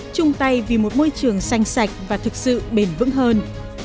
chung tay vì một môi trường xanh sạch và thực sự bền vững hơn